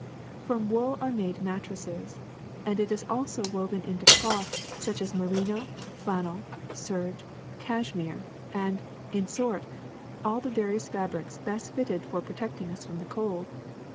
"From wool are made mattresses, and it is also woven into cloth such as merino, flannel, serge, cash mere, and, in short, all the various fabrics best fitted for protecting us from the cold.